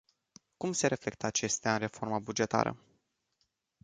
Cum se reflectă acestea în reforma bugetară?